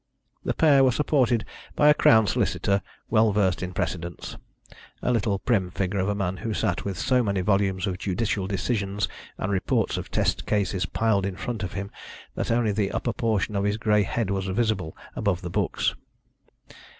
The pair were supported by a Crown Solicitor well versed in precedents a little prim figure of a man who sat with so many volumes of judicial decisions and reports of test cases piled in front of him that only the upper portion of his grey head was visible above the books.